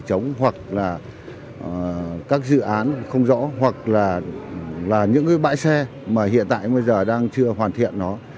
các dự án không rõ hoặc là những bãi xe mà hiện tại bây giờ đang chưa hoàn thiện nó